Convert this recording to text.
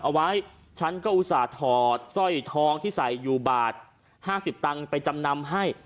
เอาไว้ฉันก็อุตส่าหอดสร้อยทองที่ใส่อยู่บาท๕๐ตังค์ไปจำนำให้